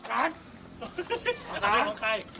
พีชนั่นกินทิบ